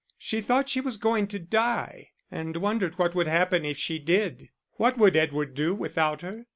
She thought she was going to die, and wondered what would happen if she did. What would Edward do without her?